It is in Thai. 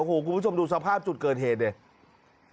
คุณผู้ชมดูสภาพจุดเกิดเหตุเนี่ย